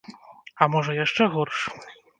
А можа яшчэ горш?